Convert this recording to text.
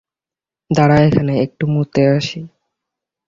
দাঁড়া এখানে, একটু মুতে আসি।